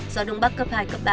gió đông bắc cấp hai cấp ba